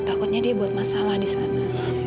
takutnya dia buat masalah di sana